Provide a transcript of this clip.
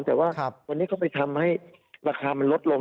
แต่ว่าวันนี้เขาไปทำให้ราคามันลดลง